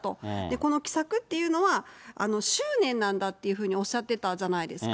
この奇策っていうのは、執念なんだっていうふうにおっしゃってたじゃないですか。